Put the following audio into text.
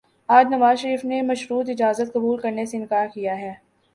آج نواز شریف نے مشروط اجازت قبول کرنے سے انکار کیا ہے۔